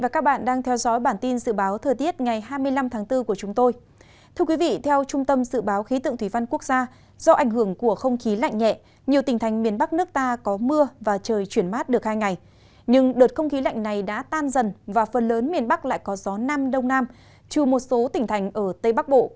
các bạn hãy đăng ký kênh để ủng hộ kênh của chúng tôi nhé